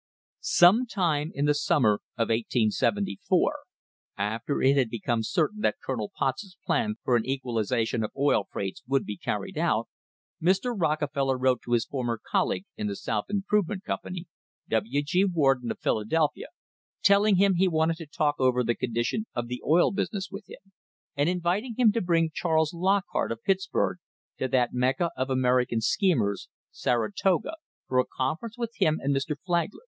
"+ Some time in the summer of 1874, after it had become cer tain that Colonel Potts's plan for an equalisation of oil freights would be carried out, Mr. Rockefeller wrote to his former colleague in the South Improvement Company, W. G. War j den, of Philadelphia, telling him he wanted to talk over; the condition of the oil business with him, and inviting him to bring Charles Lockhart, of Pittsburg, to that Mecca of American schemers, Saratoga, for a conference with him and Mr. Flagler.